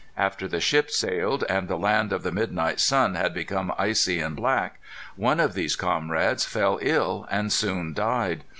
After the ship sailed, and the land of the midnight sun had become icy and black, one of these comrades fell ill, and soon died.